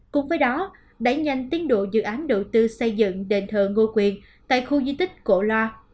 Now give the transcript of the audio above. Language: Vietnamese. cùng với đó đẩy nhanh tiến độ dự án đầu tư xây dựng đền thờ ngô quyền tại khu di tích cổ loa